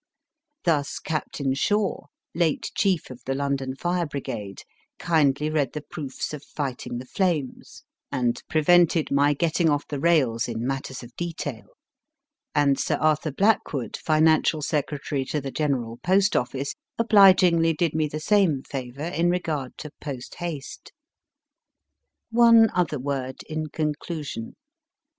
Thus, Captain Shaw, late chief of the London Fire Brigade, kindly read the proofs of Fighting the Flames, and prevented my getting off the rails in matters of detail, and Sir Arthur Blackwood, financial secretary to the General Post Office, obligingly did me the same favour in regard to Post Haste. One other word in conclusion.